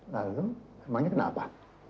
lalu emangnya kenapa